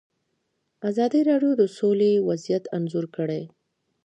ازادي راډیو د سوله وضعیت انځور کړی.